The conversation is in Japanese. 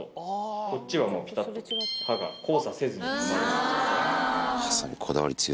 こっちはもうピタっと刃が交差せずに。